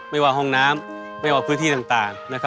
ไม่ว่าห้องน้ำไม่ว่าพื้นที่ต่าง